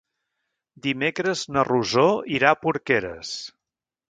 Dimecres na Rosó irà a Porqueres.